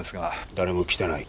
誰も来てない。